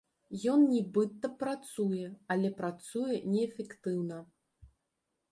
Ён нібыта працуе, але працуе неэфектыўна.